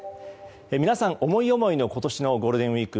皆さん、思い思いの今年のゴールデンウィーク